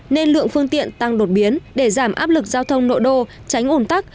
nên lượng phương tiện tăng đột biến để giảm áp lực giao thông nội đô tránh ồn tắc